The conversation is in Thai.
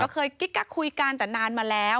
เคยกิ๊กกักคุยกันแต่นานมาแล้ว